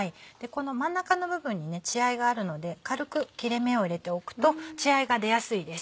この真ん中の部分に血合いがあるので軽く切れ目を入れておくと血合いが出やすいです。